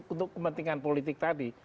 untuk kepentingan politik tadi